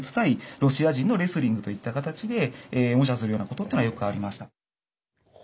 ロシア人のレスリングといった形で模写するようなことっていうのはよくありました。